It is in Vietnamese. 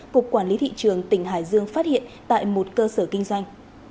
cục quản lý thị trường tỉnh hải dương phát hiện tại một cơ sở kinh doanh